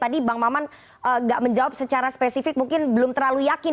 tadi bang maman nggak menjawab secara spesifik mungkin belum terlalu yakin